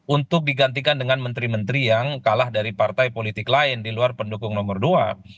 untuk digantikan dengan menteri menteri yang kalah dari partai politik lain di luar pendukung nomor dua